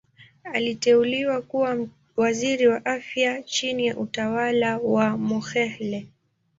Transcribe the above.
Aliteuliwa kuwa Waziri wa Afya chini ya utawala wa Mokhehle.